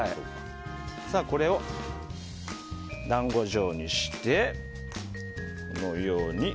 これを団子状にしてこのように。